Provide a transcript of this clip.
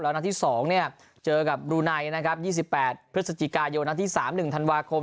นัดที่๒เนี่ยเจอกับบรูไนนะครับ๒๘พฤศจิกายนนัดที่๓๑ธันวาคม